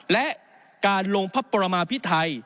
และการลงพระปรมาพิไทย